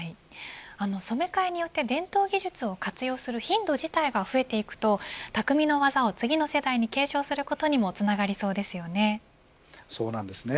染め替えによって伝統技術を活用する頻度自体が増えていくと巧みな技を次の世代に継承することにもつながりそうですね。